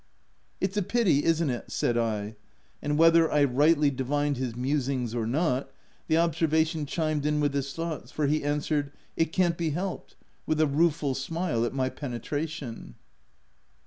" It's a pity, isn't it ?° said I ; and whether I rightly divined his musings or not, the ob servation chimed in with his thoughts, for he answered —" It can't be helped," with a rueful smile at my penetration.